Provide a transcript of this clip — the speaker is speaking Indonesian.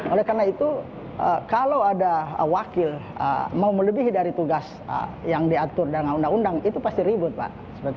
oleh karena itu kalau ada wakil mau melebihi dari tugas yang diatur dalam undang undang itu pasti ribut pak